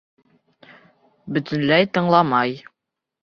Бөтөнләй тыңламай!